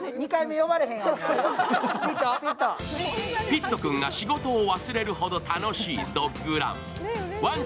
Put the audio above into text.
ピット君が仕事を忘れるほど楽しいドッグラン。